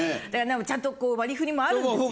ちゃんと割り振りもあるんですよ。